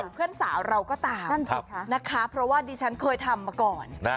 เพื่อนสาวเราก็ตามนั่นสิคะนะคะเพราะว่าดิฉันเคยทำมาก่อน